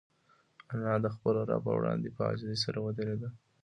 انا د خپل رب په وړاندې په عاجزۍ سره ودرېده.